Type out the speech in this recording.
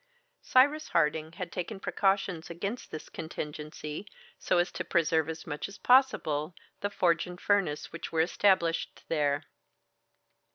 Cyrus Harding had taken precautions against this contingency, so as to preserve as much as possible the forge and furnace which were established there.